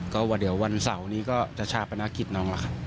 ก็ว่าเดี๋ยววันเสาร์นี้ก็จะชาปนกิจน้องแล้วครับ